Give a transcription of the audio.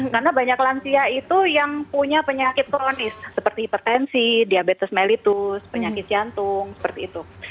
karena banyak lansia itu yang punya penyakit kronis seperti hipertensi diabetes mellitus penyakit jantung seperti itu